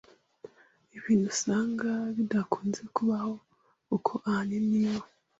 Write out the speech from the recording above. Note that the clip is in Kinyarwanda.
ibintu usanga bidakunze kubaho kuko ahanini iyo